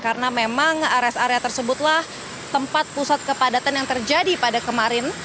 karena memang rest area tersebutlah tempat pusat kepadatan yang terjadi pada kemarin